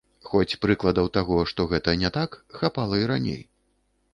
Хоць прыкладаў таго, што гэта не так, хапала і раней.